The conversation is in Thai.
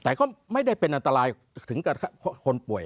แต่ก็ไม่ได้เป็นอันตรายถึงกับคนป่วย